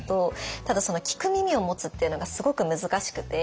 ただその「聞く耳を持つ」っていうのがすごく難しくて。